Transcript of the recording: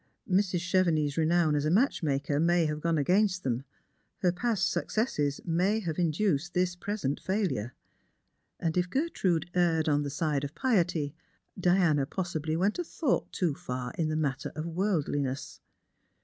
Mrs. Chevenix's renown \s a match maker may have g^ne against them ; her past sue* 80 Strangers and JPilgnmfi. cesses may have induced this present failure. And if Gertrude erred on the side of piety, Diana possibly went a thought too far in the matter of worldliness.